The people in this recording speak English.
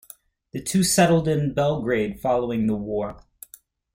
The two settled in Belgrade following the war.